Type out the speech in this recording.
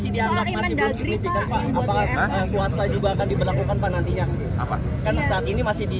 kan saat ini masih di